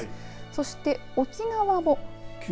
そして、沖縄も。